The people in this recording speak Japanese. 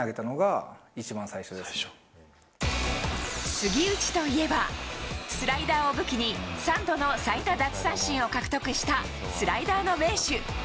杉内といえばスライダーを武器に３度の最多奪三振を獲得したスライダーの名手。